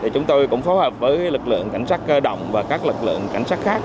chúng tôi cũng phó hợp với lực lượng cảnh sát cơ động và các lực lượng cảnh sát khác